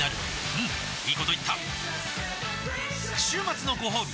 うんいいこと言った週末のごほうび